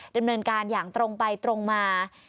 ดำเนินการอย่างตรงไปตรงมา